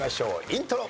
イントロ。